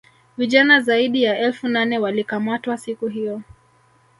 vijana zaidi ya elfu nane walikamatwa siku hiyo